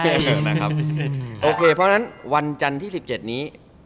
โอเคเพราะฉะนั้นวันจันทร์ที่๑๗นี้